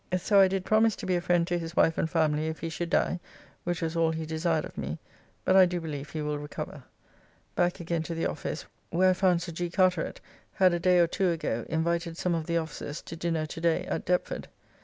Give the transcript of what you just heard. So I did promise to be a friend to his wife and family if he should die, which was all he desired of me, but I do believe he will recover. Back again to the office, where I found Sir G. Carteret had a day or two ago invited some of the officers to dinner to day at Deptford.